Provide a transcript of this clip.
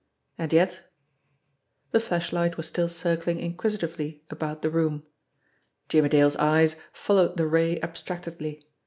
And yet The flashlight was still circling inquisitively about the room. Jimmie Dale's eyes followed the ray abstractedly.